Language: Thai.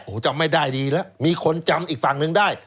โอ้โหจำไม่ได้ดีแล้วมีคนจำอีกฝั่งหนึ่งได้